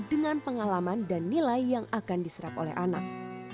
dengan pengalaman dan nilai yang akan diserap oleh anak